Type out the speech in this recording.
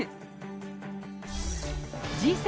Ｇ７